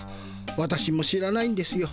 私も知らないんですよ。